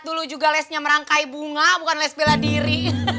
dulu juga lesnya merangkai bunga bukan les bela diri